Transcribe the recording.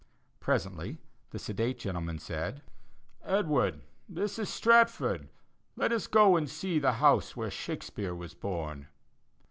Presently the sedate gentleman said: "Edward, this is Stratford. Let us go and see the house where Shakespeare was born."